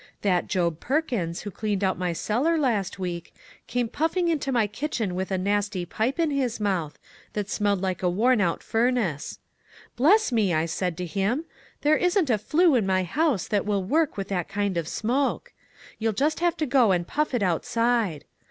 That Job Perkins, who cleaned out my cellar 32 ONE COMMONPLACE DAY. last week, came puffing into my kitchen with a nasty pipe in his mouth, that smelled like a worn out furnace. * Bless me !' I said to him, 'there isn't, a flue in my house that will work with that kind of smoke. You'll just have to go and puff it outside.